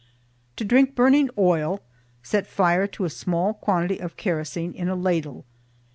To drink burning oil set fire to a small quantity of kerosene in a ladle.